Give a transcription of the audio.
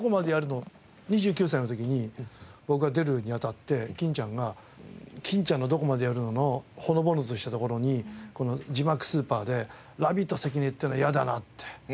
２９歳の時に僕が出るにあたって欽ちゃんが『欽ちゃんのどこまでやるの！』のほのぼのとしたところにこの字幕スーパーで「ラビット関根」っていうのは嫌だなって。